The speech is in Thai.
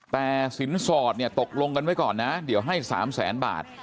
แต่สินสอดเนี่ยตกลงกันไว้ก่อนนะเดี๋ยวให้๓แสนบาท